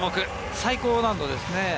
最高難度ですね。